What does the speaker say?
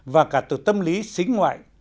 và cả từ tâm lý xính ngoại